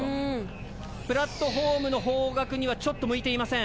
プラットホームの方角にはちょっと向いていません。